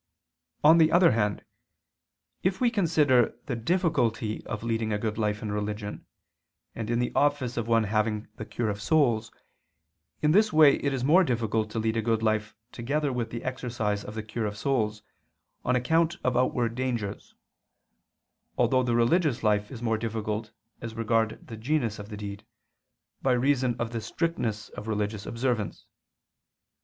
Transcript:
On the other hand, if we consider the difficulty of leading a good life in religion, and in the office of one having the cure of souls, in this way it is more difficult to lead a good life together with the exercise of the cure of souls, on account of outward dangers: although the religious life is more difficult as regards the genus of the deed, by reason of the strictness of religious observance.